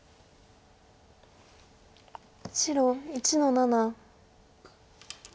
白１の七。